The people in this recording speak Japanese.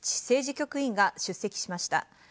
政治局員が出席しました。